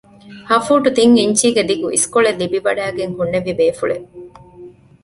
ހަ ފޫޓު ތިން އިންޗީގެ ދިގު އިސްކޮޅެއް ލިބިވަޑައިގެން ހުންނެވި ބޭފުޅެއް